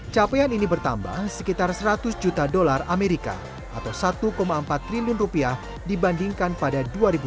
capaian ini bertambah sekitar seratus juta dolar amerika atau satu empat triliun rupiah dibandingkan pada dua ribu dua puluh